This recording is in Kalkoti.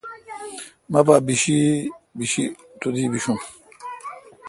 مہ پہ بشی تو دی بیشم۔